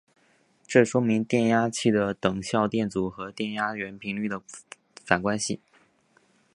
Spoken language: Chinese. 这说明了电压器的等效电阻和电压源频率的反关系。